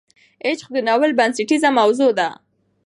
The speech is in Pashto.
عشق د ناول بنسټیزه موضوع ده.